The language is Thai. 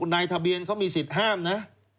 นายทะเบียนเขามีสิทธิ์ห้ามนะ